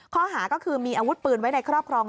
ข้อหาก็คือมีอาวุธปืนไว้ในครอบครอง